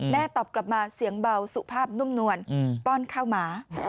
ตอบกลับมาเสียงเบาสุภาพนุ่มนวลป้อนข้าวหมา